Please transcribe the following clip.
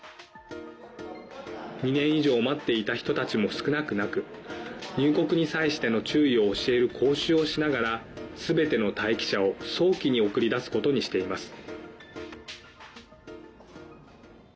２年以上待っていた人たちも少なくなく入国に際しての注意を教える講習をしながらすべての待機者を早期に送り出すことにしています。